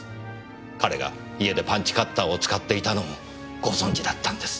彼が家でパンチカッターを使っていたのをご存じだったんです。